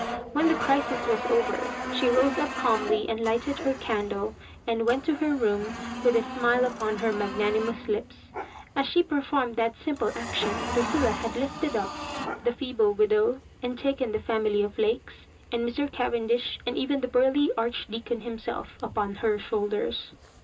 When the crisis was over she rose up calmly and lighted her candle, and went to her room with a smile upon her magnanimous lips. As she performed that simple action, Lu cilla had lifted up the feeble widow, and taken the family of Lakes, and Mr. Cavendish, and even the burly Archdeacon himself; upon her shoulders.